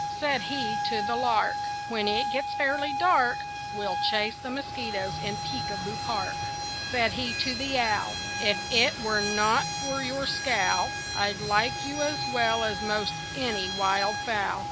Said he to the lark: "When it gets fairly dark We'll chase the mosquitoes in Peek a Boo Park." Said he to the owl: "If it were not for your scowl I'd like you as well as most any wild fowl."